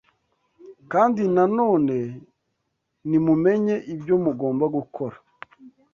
kandi na none ntimumenye ibyo mugomba gukora